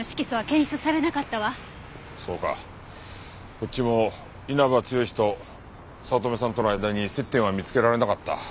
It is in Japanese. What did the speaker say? こっちも稲葉剛と早乙女さんとの間に接点は見つけられなかった。